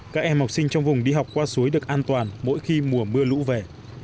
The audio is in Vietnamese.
các em học sinh trong vùng đi học qua suối được an toàn mỗi khi mùa mưa lũ về